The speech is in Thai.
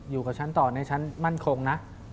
อยู่กับฉันต่อในชั้นมั่นคงนะ